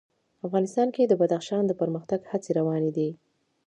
افغانستان کې د بدخشان د پرمختګ هڅې روانې دي.